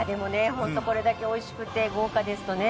ホントこれだけおいしくて豪華ですとね